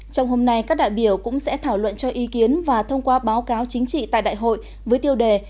trong hôm nay các đại biểu cũng sẽ thảo luận cho ý kiến và thông qua báo cáo chính trị tại đại hội với tiêu đề